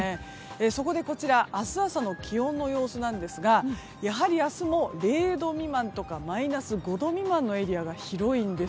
そこで、こちら明日朝の気温の様子ですがやはり明日も０度未満とかマイナス５度未満のエリアが広いんです。